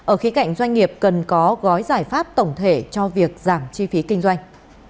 ở khí cạnh doanh nghiệp cần có gói giải pháp tổng thể cho việc giảm chi phí kinh doanh